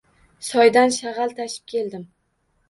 Soydan shag‘al tashib keldim.